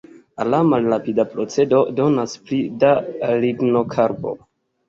La malrapida procedo donas pli da lignokarbo.